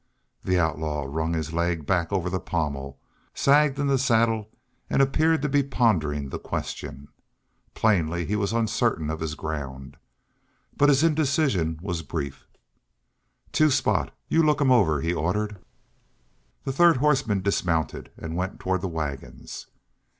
The outlaw wrung his leg back over the pommel, sagged in the saddle, and appeared to be pondering the question. Plainly he was uncertain of his ground. But his indecision was brief. "Two Spot, you look 'em over," he ordered. The third horseman dismounted and went toward the wagons.